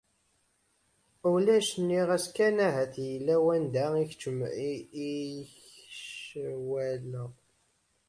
« Ulac, nniɣ-as kan ahat yella wanda i kcewwleɣ. »